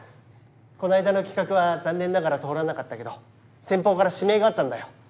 こないだの企画は残念ながら通らなかったけど先方から指名があったんだよ。